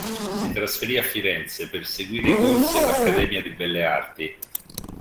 Si trasferì a Firenze per seguire i corsi all'Accademia di Belle Arti.